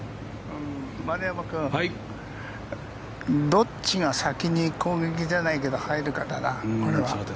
丸山君どっちが先に攻撃じゃないけど入るかだな、これは。